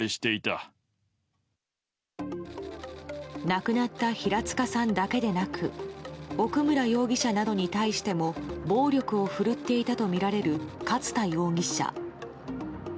亡くなった平塚さんだけでなく奥村容疑者などに対しても暴力を振るっていたとみられる勝田容疑者。